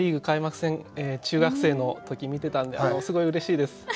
開幕戦中学生の時見てたんですごいうれしいです。